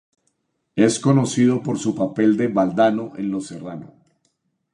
Es conocido por su papel de "Valdano" en Los Serrano.